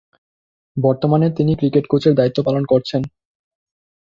বর্তমানে তিনি ক্রিকেট কোচের দায়িত্ব পালন করছেন।